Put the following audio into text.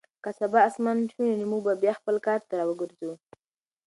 که سبا اسمان شین وي نو موږ به بیا خپل کار ته راوګرځو.